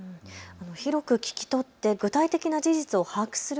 広く聞き取って具体的な事実を把握する